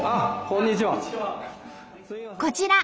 こんにちは。